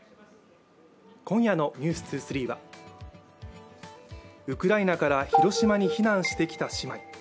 今夜の「ｎｅｗｓ２３」はウクライナから広島に避難してきた姉妹。